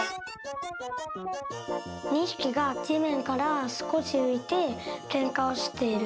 ２ひきがじめんからすこしういてけんかをしている。